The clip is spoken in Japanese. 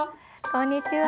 こんにちは。